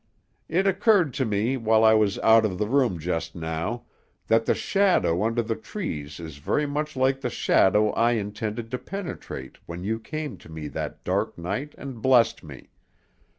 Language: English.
It occurred to me while I was out of the room just now, that the shadow under the trees is very much like the shadow I intended to penetrate when you came to me that dark night and blessed me.